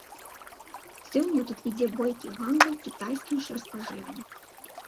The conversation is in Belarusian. Сёння тут ідзе бойкі гандаль кітайскім шырспажывам.